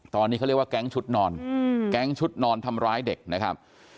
ตอนนี้เขาเรียกว่าแก๊งชุดนอนแก๊งชุดนอนทำร้ายเด็กนะครับ